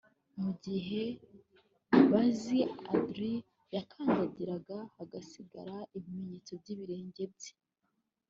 Mu gihe Buzz Aldrin yakandagiraga hagasigara ibimenyetso byibirenge bye